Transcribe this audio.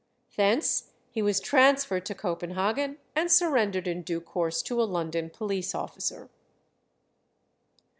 Thence he was transferred to Copenhagen and surrendered in due course to a London police officer.